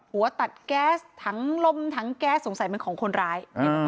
หัวตัดแก๊สถังลมถังแก๊สสงสัยมันของคนร้าย